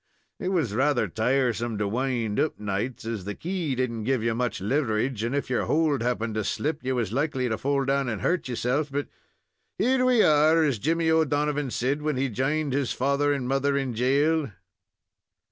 It was rather tiresome to wind up nights, as the key didn't give you much leverage, and if your hold happened to slip, you was likely to fall down and hurt yersilf. But here we are, as Jimmy O'Donovan said when he j'ined his father and mother in jail."